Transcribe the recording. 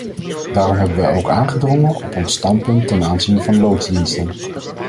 Daarom hebben wij ook aangedrongen op ons standpunt ten aanzien van loodsdiensten.